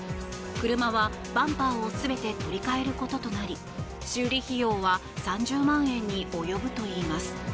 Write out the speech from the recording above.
車はバンパーを全て取り換えることとなり修理費用は３０万円に及ぶといいます。